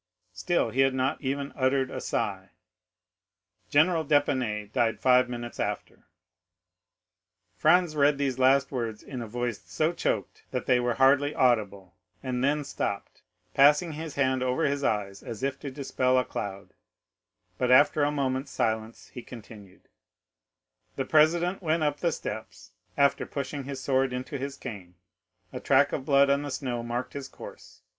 Still he had not even uttered a sigh. General d'Épinay died five minutes after.'" Franz read these last words in a voice so choked that they were hardly audible, and then stopped, passing his hand over his eyes as if to dispel a cloud; but after a moment's silence, he continued: "'The president went up the steps, after pushing his sword into his cane; a track of blood on the snow marked his course.